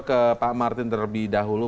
ke pak martin terlebih dahulu